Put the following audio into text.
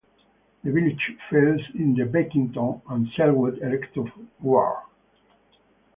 The village falls in the 'Beckington and Selwood' electoral ward.